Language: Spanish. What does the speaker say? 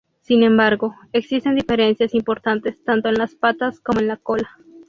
Sin embargo, existen diferencias importantes tanto en las patas como en la cola.